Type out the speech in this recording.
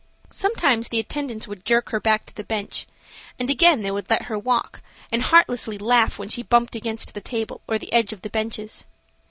Sometimes the attendants would jerk her back to the bench, and again they would let her walk and heartlessly laugh when she bumped against the table or the edge of the benches.